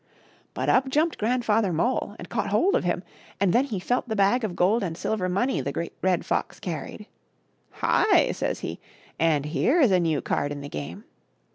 But up jumped Grandfather Mole and caught hold of him, and then he felt the bag of gold and silver money the Great Red Fox carried. " Hi !" says he, " and here is a new card in the game."